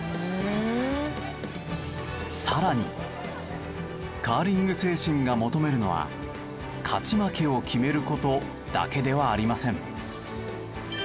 更にカーリング精神が求めるのは勝ち負けを決める事だけではありません。